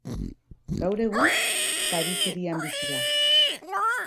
Gaur egun Paris hirian bizi da.